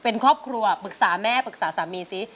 เป็นครอบครัวปรึกษาแม่ปรึกษาสามีซิ